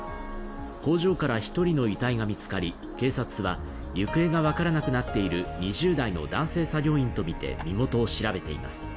工場から１人の遺体が見つかり警察は行方が分からなくなっている２０代の男性従業員とみて身元を調べています。